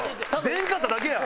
出んかっただけや。